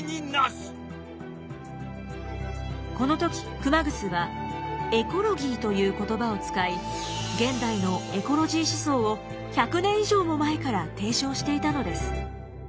この時熊楠は「エコロギー」という言葉を使い現代のエコロジー思想を１００年以上も前から提唱していたのです。